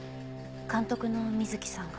監督の水木さんが。